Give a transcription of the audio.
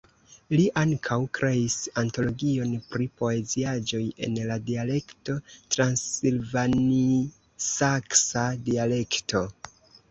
Li ankaŭ kreis antologion pri poeziaĵoj en la dialekto transilvanisaksa dialekto.